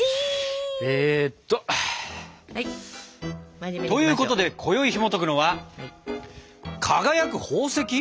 えとということで今宵ひもとくのは「輝く宝石！？